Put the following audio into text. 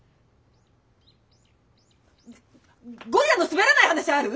ゴリラのスベらない話ある？